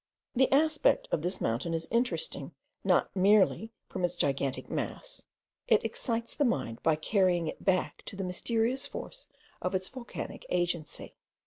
The aspect of this mountain is interesting not merely from its gigantic mass; it excites the mind, by carrying it back to the mysterious source of its volcanic agency.